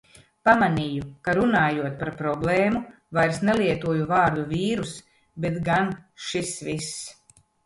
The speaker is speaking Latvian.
Pamanīju, ka runājot par problēmu, vairs nelietoju vārdu vīruss, bet gan "šis viss".